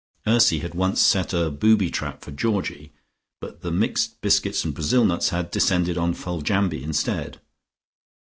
Ursy had once set a booby trap for Georgie, but the mixed biscuits and Brazil nuts had descended on Foljambe instead.